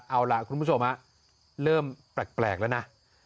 เอาคุณผู้ชมครับเริ่มแปลกแล้วนะ